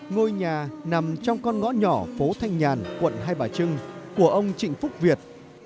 ngôi nhà nằm trong con ngõ nhỏ phố thanh nhàn quận hai bà trưng của ông trịnh phúc việt